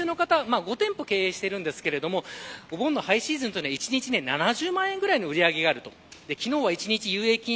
お店の方は５店舗経営しているんですがハイシーズンだと１日７０万円くらいの売り上げがあると。